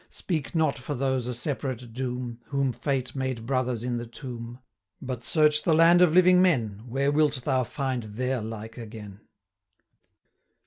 Speak not for those a separate doom, Whom Fate made Brothers in the tomb; But search the land of living men, Where wilt thou find their like agen?'